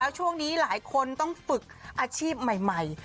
ช่วงนี้หลายคนต้องฝึกอาชีพใหม่